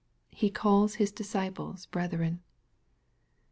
He calls His disciples " brethren."